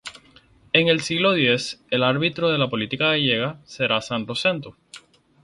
En el siglo X, el árbitro de la política gallega será San Rosendo.